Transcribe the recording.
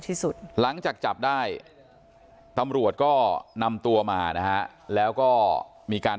ที่สุดหลังจากจับได้ตำรวจก็นำตัวมานะฮะแล้วก็มีการ